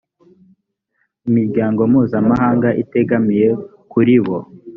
imiryango mpuzamahanga itegamiye kuri bo